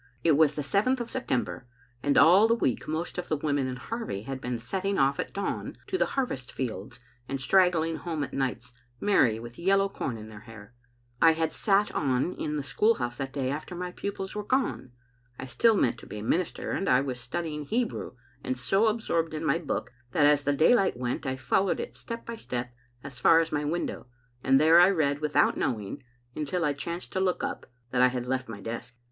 It was the 7th of September, and all the week most of the women in Harvie had been setting oflE at dawn to the harvest fields and straggling home at nights, merry and with yellow com in their hair. I had sat on in the school house that day after my pupils were gone. I still meant to be a minister, and I was studying Hebrew, and so absorbed in my book that as the daylight went, I followed it step by step as far as my window, and there I read, without knowing, until I chanced to look up, that I had left my desk.